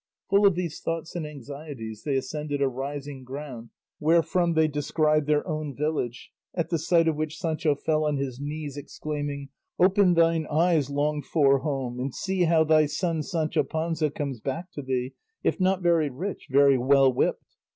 Full of these thoughts and anxieties, they ascended a rising ground wherefrom they descried their own village, at the sight of which Sancho fell on his knees exclaiming, "Open thine eyes, longed for home, and see how thy son Sancho Panza comes back to thee, if not very rich, very well whipped!